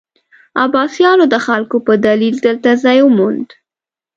عباسیانو د خلکو په دلیل دلته ځای وموند.